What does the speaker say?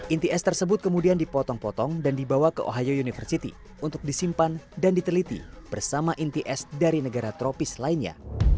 inti es tersebut kemudian dipotong potong dan dibawa ke ohio university untuk disimpan dan diteliti bersama inti es dari negara tropis lainnya